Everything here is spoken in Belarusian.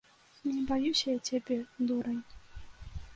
Не баюся я цябе, дурань!